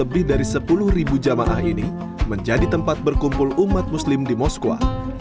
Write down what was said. lebih dari sepuluh jamaah ini menjadi tempat berkumpul umat muslim di moskwa